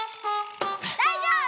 だいじょうぶ！